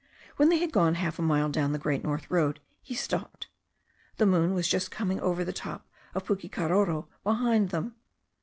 When they had gone half a mile down the Great North road he stopped. The moon was just coming over the top of Pukekaroro behind them.